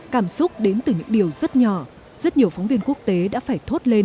cảm xúc đến từ những điều rất nhỏ